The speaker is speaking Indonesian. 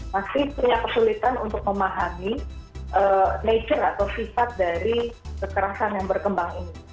masih punya kesulitan untuk memahami nature atau sifat dari kekerasan yang berkembang ini